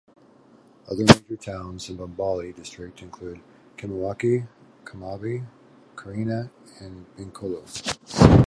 Other major towns in Bombali District include Kamakwie, Kamabai, Karina and Binkolo.